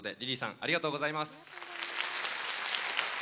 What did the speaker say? ありがとうございます。